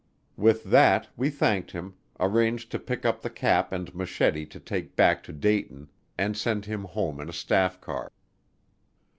With that, we thanked him, arranged to pick up the cap and machete to take back to Dayton, and sent him home in a staff car.